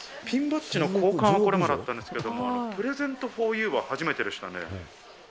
ピンバッジの交換はこれまではあったんですけれども、プレゼントフォーユーは初めてでしたね。